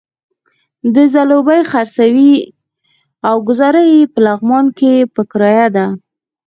دی ځلوبۍ خرڅوي او ګوزاره یې په لغمان کې په کرايه ده.